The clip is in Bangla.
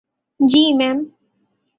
জ্বি, ম্যাম।